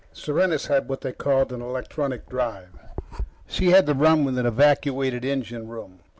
Serenus had what they called an electronic drive. She had to run with an evacuated engine room.